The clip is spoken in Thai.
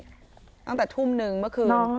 ตั้งแต่ทุ่มนึงเมื่อคืน